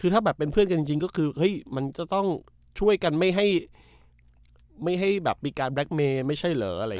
ถ้าเป็นเพื่อนกันจริงก็คือมันจะต้องช่วยกันไม่ให้แบบมีการแบ็คเมย์ไม่ใช่เหรอ